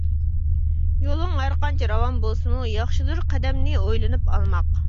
يولۇڭ ھەرقانچە راۋان بولسىمۇ، ياخشىدۇر قەدەمنى ئويلىنىپ ئالماق.